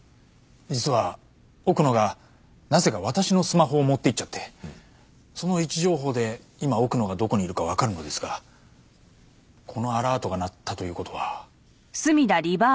実は奥野がなぜか私のスマホを持って行っちゃってその位置情報で今奥野がどこにいるかわかるのですがこのアラートが鳴ったという事は。